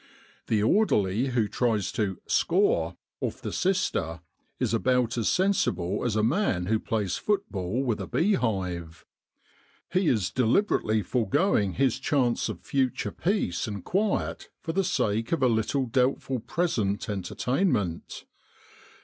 The orderly who tries to ' score ' off the sister is about as sensible as a man who plays football with a bee hive. He is deliberately forgoing his chance of future peace and quiet for the sake of a little doubtful present enter tainment.